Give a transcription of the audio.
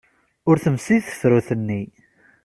Ur temsid tefrut-nni.